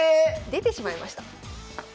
出てしまいました。